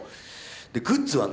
でグッズはね